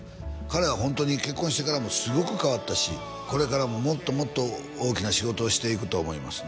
彼はホントに結婚してからもすごく変わったしこれからももっともっと大きな仕事をしていくと思います